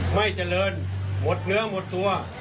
ไม่เจริญหมดเนื้อหมดตัว